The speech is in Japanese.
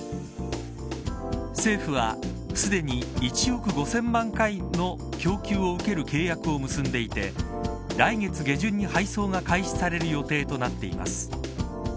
政府は、すでに１億５０００万回の供給を受ける契約を結んでいて来月下旬に配送が開始される予定となっています。